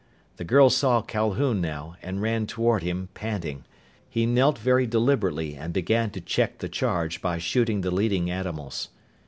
The girl saw Calhoun now, and ran toward him, panting. He knelt very deliberately and began to check the charge by shooting the leading animals.